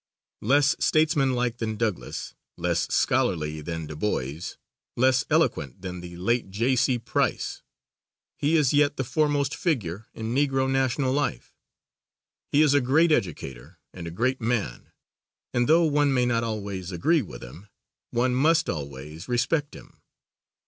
Less statesmanlike than Douglass, less scholarly than DuBois, less eloquent than the late J.C. Price, he is yet the foremost figure in Negro national life. He is a great educator and a great man, and though one may not always agree with him, one must always respect him.